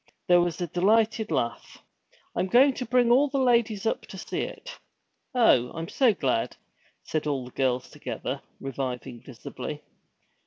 There was a delighted laugh. 'I'm going to bring all the ladies up to see it.' 'Oh, I'm so glad!' said all the girls together, reviving visibly.